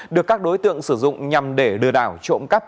được các đối tượng sử dụng nhằm để đưa đảo trộm cắt